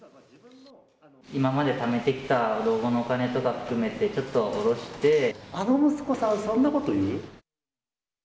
今まで貯めてきた老後のお金とか含めてちょっと下ろしてあの息子さん、そんなこと言う。